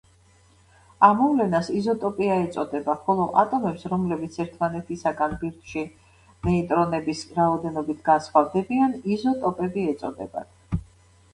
ამ მოვლენას იზოტოპია ეწოდება, ხოლო ატომებს რომლებიც ერთმანეთისაგან ბირთვში ნეიტრონების რაოდენობით განსხვავდებიან იზოტოპები ეწოდებათ.